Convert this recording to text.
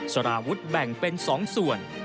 สารวุฒิแบ่งเป็น๒ส่วน